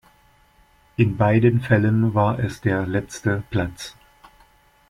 In beiden Fällen war es der letzte Platz.